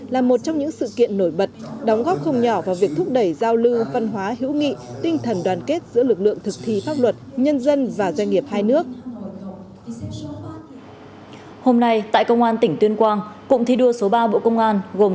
là một trong những sự kiện nổi bật đóng góp không nhỏ vào việc thúc đẩy giao lưu văn hóa hữu nghị tinh thần đoàn kết giữa lực lượng thực thi pháp luật nhân dân và doanh nghiệp hai nước